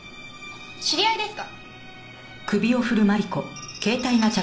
知り合いですか？